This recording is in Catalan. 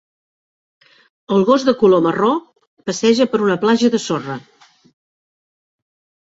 El gos de color marró passeja per una platja de sorra.